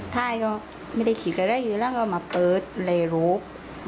ไทยก็ไม่ได้คิดอะไรคิดเราก็มาเปิดเลยลก